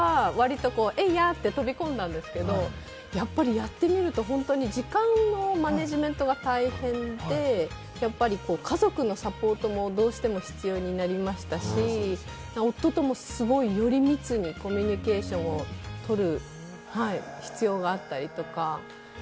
挑戦するときは割とエイヤと飛び込んだんですけど、やっぱりやってみると時間のマネジメントが大変で、家族のサポートもどうしても必要になりましたし、夫ともすごくより密にコミュニケーションをとる。